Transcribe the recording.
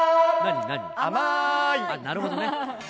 なるほどね。